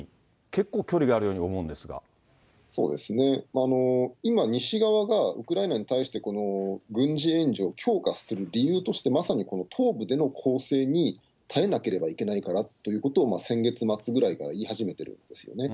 結構距離があるように思うんですそうですね、今、西側がウクライナに対して軍事援助を強化する理由として、まさにこの東部での攻勢に耐えなければいけないからということを、先月末ぐらいから言い始めてるんですよね。